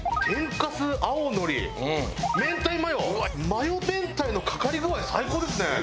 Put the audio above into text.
マヨ明太のかかり具合最高ですね！